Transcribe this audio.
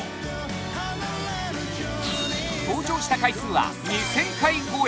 登頂した回数は２０００回超え！